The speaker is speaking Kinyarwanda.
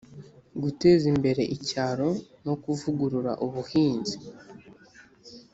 guteza imbere icyaro no kuvugurura ubuhinzi,